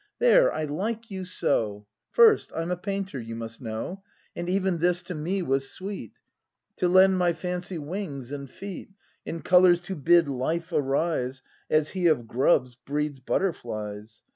There, I like you so. First, I'm a painter, you must know. And even this to me was sweet, — To lend my fancy wings and feet. In colours to bid life arise, As He of grubs breeds butterflies.